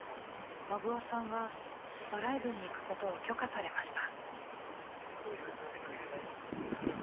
信男さんはドライブに行くことを許可されました。